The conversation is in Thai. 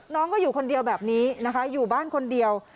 น้องก็อยู่คนเดียวแบบนี้นะคะอยู่บ้านคนเดียว